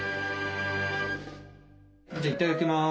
じゃあいただきます！